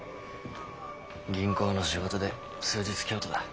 銀行の仕事で数日京都だ。